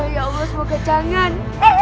ya allah semoga jangan